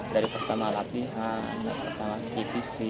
dari pertama latihan pertama tpc